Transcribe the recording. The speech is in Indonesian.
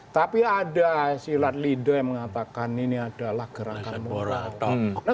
tapi ada silat lidah yang mengatakan ini adalah gerakan moral